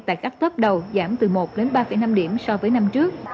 tại các tớp đầu giảm từ một đến ba năm điểm so với năm trước